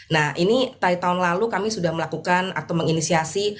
nah ini tahun lalu kami sudah melakukan atau menginisiasi